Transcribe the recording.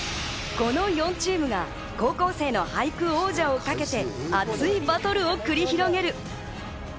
この４チームが高校生の俳句王者をかけて熱いバトルを繰り広げる。